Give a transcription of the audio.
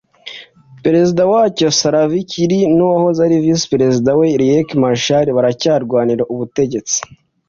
Perezida wacyo Salva Kiir n’uwahoze ari Visi Perezida we Riek Machar baracyarwanira ubutegetsi